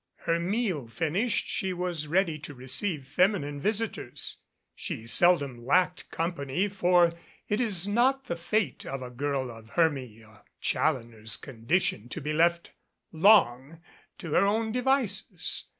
Her mail finished, she was ready to receive feminine visitors. She seldom lacked company, for it is not the fate of a girl of Hermia Challoner's condition to be left long to her own devices.